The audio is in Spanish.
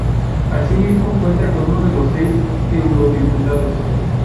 Asimismo cuenta con uno de los seis eurodiputados.